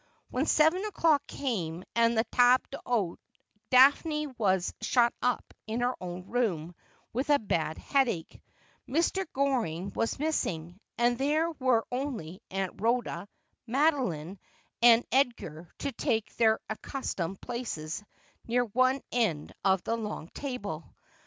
When seven o'clock came and the tahle cVhote, Daphne was shut up in her own room with a bad headache ; Mr. Goring was missing ; and there were only Aunt Rhoda, Madeline, and Edgar to take their accustomed places near one end of the long table.